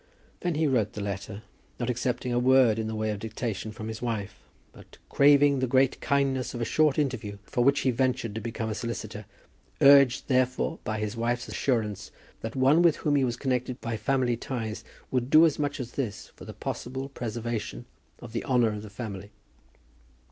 Then he wrote the letter, not accepting a word in the way of dictation from his wife, but "craving the great kindness of a short interview, for which he ventured to become a solicitor, urged thereto by his wife's assurance that one with whom he was connected by family ties would do as much as this for the possible preservation of the honour of the family."